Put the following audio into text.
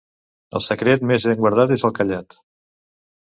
El secret més ben guardat és el callat.